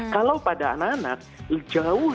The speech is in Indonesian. kalau pada anak anak jauh